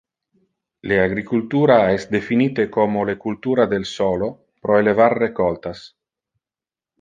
Le agricultura es definite como le cultura del solo pro elevar recoltas.